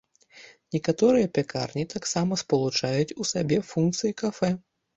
Некаторыя пякарні таксама спалучаюць у сабе функцыі кафэ.